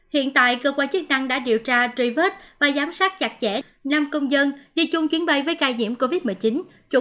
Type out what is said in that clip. hiện tại cơ quan chức năng đã điều tra truy vết và giám sát chặt chẽ năm công dân đi chung chuyến bay với ca nhiễm covid một mươi chín